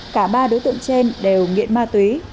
cả ba đối tượng trên đều nghiện ma túy